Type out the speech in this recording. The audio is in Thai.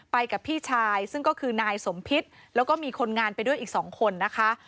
กับพี่ชายซึ่งก็คือนายสมพิษแล้วก็มีคนงานไปด้วยอีกสองคนนะคะ